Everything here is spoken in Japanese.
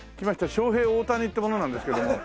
ショウヘイオオタニって者なんですけども。